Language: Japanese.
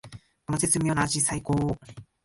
この絶妙な味さいこー！